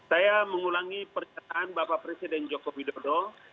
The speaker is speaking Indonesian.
saya mengulangi pernyataan bapak presiden joko widodo